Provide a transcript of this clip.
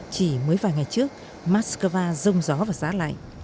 chỉ mới vài ngày trước moscow rông gió và giá lạnh